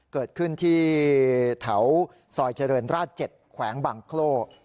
เกิดขึ้นที่แถวซอยเจริญราช๗แขวงบางโคร่